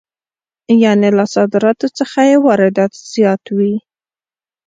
یانې له صادراتو څخه یې واردات زیات وي